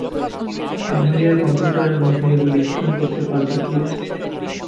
Amelia, কম্পিউটারের মধ্যে এগুলি স্ক্যান করতে পারবে, প্লিজ?